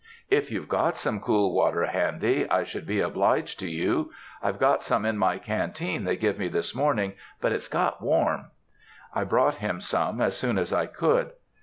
"If you've got some cool water handy, I should be obliged to you. I've got some in my canteen they give me this morning, but it's got warm." I brought him some, as soon as I could.